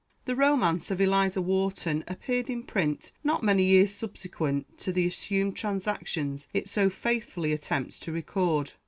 The romance of "Eliza Wharton" appeared in print not many years subsequent to the assumed transactions it so faithfully attempts to record.